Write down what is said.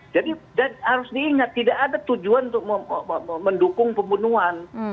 jadi dan harus diingat tidak ada tujuan untuk mendukung pembunuhan